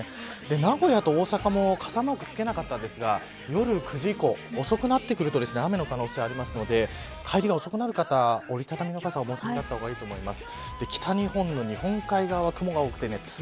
名古屋と大阪も傘マークつけなかったんですが夜９時以降、遅くなってくると雨の可能性があるので帰りが遅くなる方は折りたたみの傘をお持ちになった方がいいと思います。